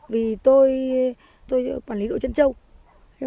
vì tôi tôi quản lý đội chăn châu